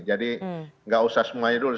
jadi tidak usah semuanya dulu